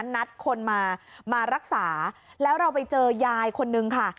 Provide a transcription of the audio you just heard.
นัดคนมามารักษาแล้วเราไปเจอยายคนนึงค่ะ